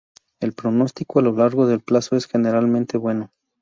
El pronóstico a largo plazo es generalmente bueno.